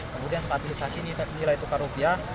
kemudian stabilisasi nilai tukar rupiah